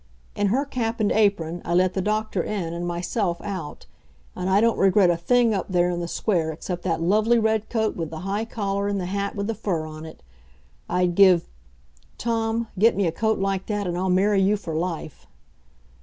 In her cap and apron, I let the doctor in and myself out. And I don't regret a thing up there in the Square except that lovely red coat with the high collar and the hat with the fur on it. I'd give Tom, get me a coat like that and I'll marry you for life.